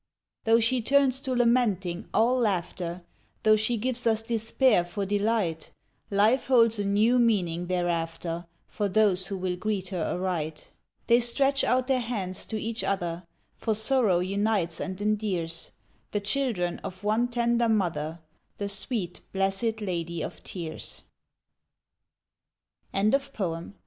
Though she turns to lamenting, all laughter, Though she gives us despair for delight, Life holds a new meaning thereafter, For those who will greet her aright. They stretch out their hands to each other, For Sorrow unites and endears, The children of one tender mother The sweet, blessed Lady of Tears. THE MASTER HAND.